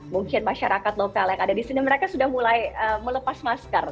mungkin masyarakat lokal yang ada di sini mereka sudah mulai melepas masker